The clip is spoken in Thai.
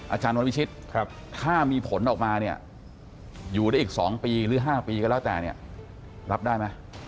อาจารย์วันวิชิตถ้ามีผลออกมาเนี่ยอยู่ได้อีก๒ปีหรือ๕ปีก็แล้วแต่เนี่ยรับได้ไหม